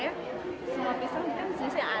di sini ada semua pisang